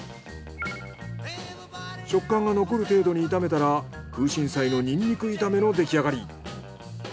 食感が残る程度に炒めたら空心菜のニンニク炒めの出来上がり。